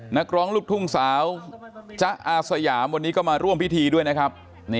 นักร้องลูกทุ่งสาวจ๊ะอาสยามวันนี้ก็มาร่วมพิธีด้วยนะครับ